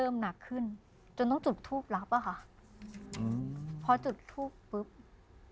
เอืม